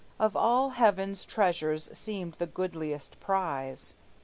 Of all heaven's treasures seemed the goodliest prize.